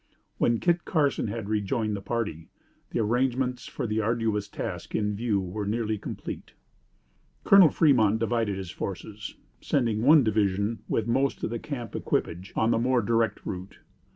When Kit Carson had rejoined the party, the arrangements for the arduous task in view were nearly complete. Colonel Fremont divided his forces, sending one division, with most of the camp equipage, on the more direct route.